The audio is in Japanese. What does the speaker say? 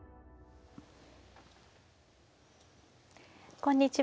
こんにちは。